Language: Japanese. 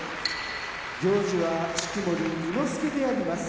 行司は式守伊之助であります。